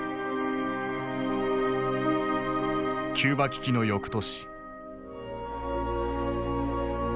キューバ危機の翌年。